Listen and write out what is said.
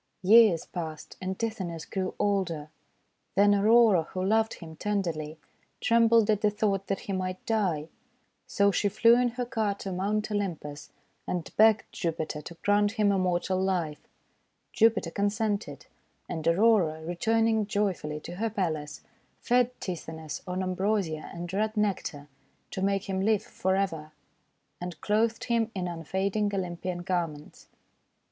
Years passed, and Tithonus grew older. Then Aurora, who loved him tenderly, trembled at the thought that he might die. So she flew in her car to Mount Olympus and begged Jupiter to grant him immortal life. Jupiter consented; and Aurora, returning joyfully to her palace, fed Tithonus on Ambrosia and red Nectar to make THE MORNING GLORY FAN 175 him live forever, and clothed him in unfading Olympian garments.